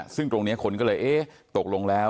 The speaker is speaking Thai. ซึ่งตรงนี้คนก็เลยเอ๊ะตกลงแล้ว